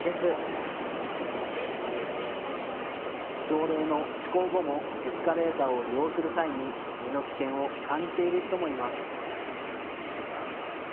条例の施行後もエスカレーターを利用する際に身の危険を感じている人もいます。